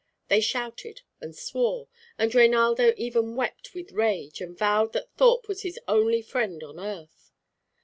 They shouted and swore; and Reinaldo even wept with rage, and vowed that Thorpe was his only friend on earth.